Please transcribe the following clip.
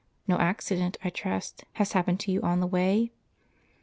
No accident, I trust, has happened to you on the way?"